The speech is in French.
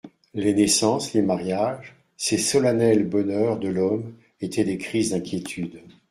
Les naissances, les mariages, ces solennels bonheurs de l'homme, étaient des crises d'inquiétude.